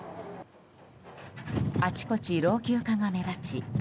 あちこち老朽化が目立ち